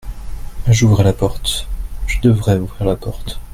J'ouvrrai la porte. Je devrais ouvrir la porte.